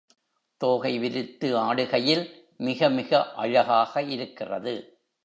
தோகை விரித்து ஆடுகையில் மிக மிக அழகாக இருக்கிறது.